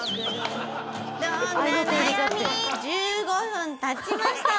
１５分経ちました。